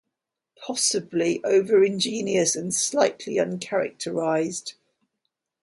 Possibly overingenious and slightly uncharacterised.